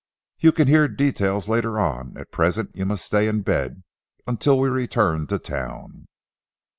"You can hear details later on. At present you must stay in bed, until we return to Town."